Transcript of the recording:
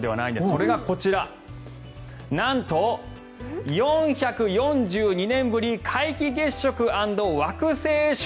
それがこちらなんと４４２年ぶり皆既月食アンド惑星食。